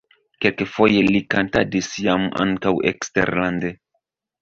Kelkfoje li kantadis jam ankaŭ eksterlande.